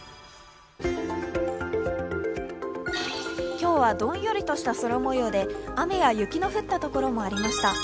今日はどんよりとした空もようで雨や雪の降ったところもありました。